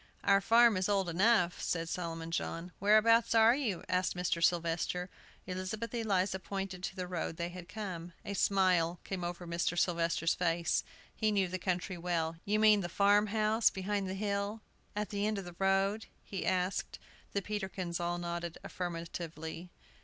"Our farm is old enough," said Solomon John. "Whereabouts are you?" asked Mr. Sylvester. Elizabeth Eliza pointed to the road they had come. A smile came over Mr. Sylvester's face; he knew the country well. "You mean the farm house behind the hill, at the end of the road?" he asked. The Peterkins all nodded affirmatively.